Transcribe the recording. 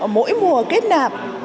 mỗi mùa kết nạp